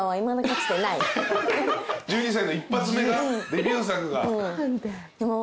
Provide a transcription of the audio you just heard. １２歳の一発目がデビュー作が。